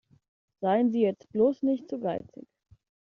Seien Sie jetzt bloß nicht zu geizig.